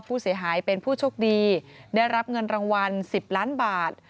ผู้เสียหายเป็นผู้โชคดีได้รับเงินรางวัล๑๐ล้านบาท